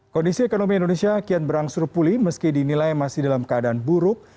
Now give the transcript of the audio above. kondisi ekonomi indonesia kian berangsur pulih meski dinilai masih dalam keadaan buruk